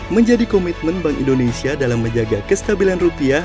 menjadi komitmen bank indonesia dalam menjaga kestabilan rupiah